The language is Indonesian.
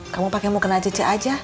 kamu pake mukena cecek aja